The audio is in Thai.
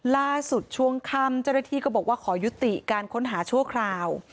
ล่าสุดช่วงค่ำเจ้าหน้าที่ก็บอกว่าขอยุติการค้นหาชั่วคราว